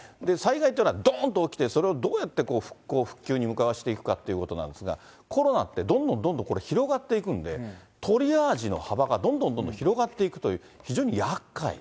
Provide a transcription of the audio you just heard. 災害っていうのはどーんと起きて、それをどうやって復興、復旧に向かわしていくかということなんですが、コロナってどんどんどんどんこれ、広がっていくんで、トリアージの幅がどんどんどんどん広がっていくという、非常に厄介。